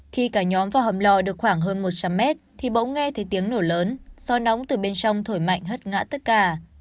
khi cả nhóm vào hầm lò được khoảng hơn một trăm linh mét thì bỗng nghe thấy tiếng nổ lớn do nóng từ bên trong thổi mạnh hất ngã tất cả